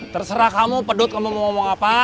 terserah kamu pedut kamu mau ngomong apa